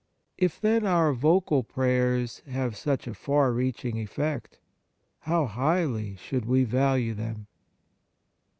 If, then, our vocal prayers have such a far reaching effect, how highly should we value them